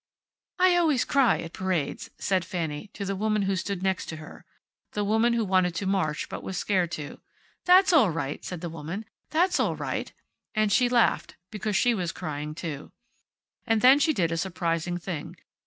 "I always cry at parades," said Fanny, to the woman who stood next her the woman who wanted to march, but was scared to. "That's all right," said the woman. "That's all right." And she laughed, because she was crying, too. And then she did a surprising thing.